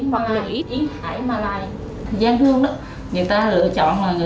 hoặc lợi ích